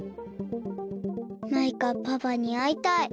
マイカパパにあいたい。